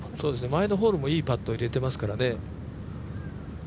前のホールもいいパットを入れてますからね。